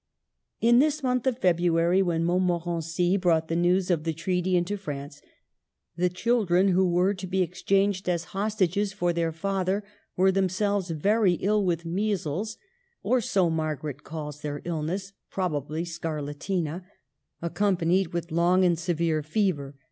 In this month of February, when Montmo rency brought the news of the treaty into France, the children who were to be exchanged as hostages for their father were themselves very ill with measles (or so Margaret calls their illness, probably scarlatina) accompanied with long and severe fever.